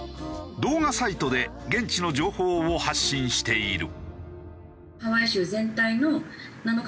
動画サイトで現地の情報を発信している。